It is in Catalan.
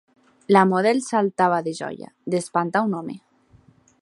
La model saltava de joia, d'espantar un home